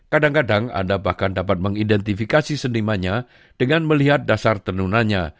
kadang kadang anda bahkan dapat mengidentifikasi senimannya dengan melihat dasar tenunannya